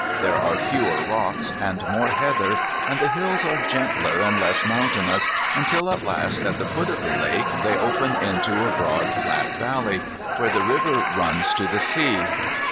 There are fewer rocks and more heather, and the hills are gentler and less mountainous, until at last at the foot of the lake they open into a broad flat valley, where the river runs to the sea.